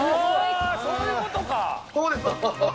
そういうことか！